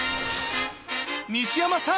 西山さん